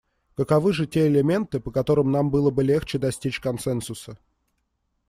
Каковы же те элементы, по которым нам было бы легче достичь консенсуса?